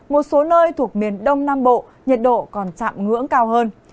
một số nơi thuộc miền đông nam bộ nhiệt độ còn chạm ngưỡng cao hơn